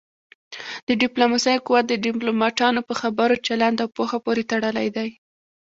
د ډيپلوماسی قوت د ډيپلوماټانو په خبرو، چلند او پوهه پورې تړلی دی.